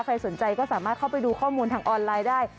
ใครสนใจก็สามารถเข้าไปดูข้อมูลทางออนไลน์ได้